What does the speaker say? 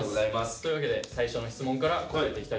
というわけで最初の質問から答えていきたいと思います。